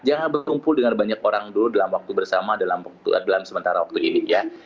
jangan berkumpul dengan banyak orang dulu dalam waktu bersama dalam sementara waktu ini ya